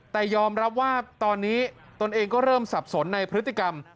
แต่ยอมรับว่าตอนนี้ตนเองก็เริ่มสับสนในพฤติกรรม